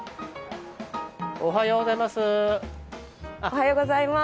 おはようございます。